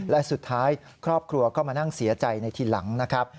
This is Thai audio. และสุดท้ายครอบครัวก็มานั่งเสียใจในทีหลังนะครับ